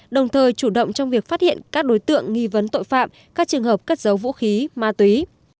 đồng thời chủ động trong việc phát hiện các đối tượng nghi vấn tội phạm các trường hợp cất giấu vũ khí ma túy